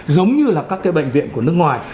giống như là các cái bệnh viện của nước ngoài